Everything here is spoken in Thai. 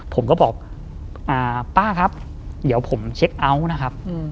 ผมก็บอกป้าครับเดี๋ยวผมเช็คเอาท์นะครับ